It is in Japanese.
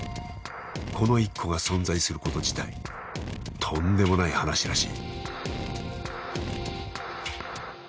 この１個が存在すること自体とんでもない話らしい。